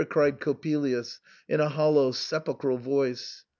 '* cried Coppelius, in a hollow sepulchral voice.